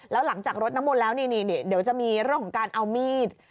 แล้วหลังจากรดน้ำมนต์แล้วนี่เดี๋ยวจะมีเรื่องของการเอามีด